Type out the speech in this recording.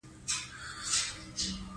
بزګان د افغانستان د اقتصاد برخه ده.